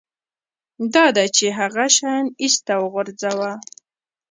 دا ده چې هغه شیان ایسته وغورځوه